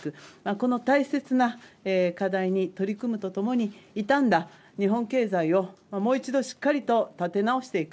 この大切な課題に取り組むとともにいたんだ日本経済をもう一度しっかりと立て直していく。